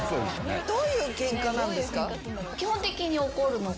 どういうケンカなんですか？